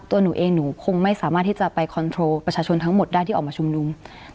ตัวหนูเองหนูคงไม่สามารถที่จะไปคอนโทรประชาชนทั้งหมดได้ที่ออกมาชุมนุม